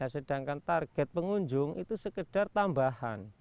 sedangkan target pengunjung itu sekedar tambahan